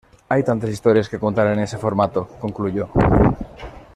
Hay tantas historias que contar en ese formato., concluyó.